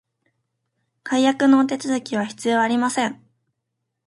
解約のお手続きは必要ありません